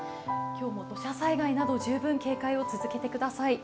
今日も土砂災害など、十分警戒を続けてください。